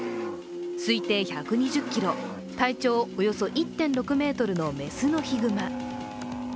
推定１２０ｋｇ、体長およそｍ１．６ｍの雌のヒグマ。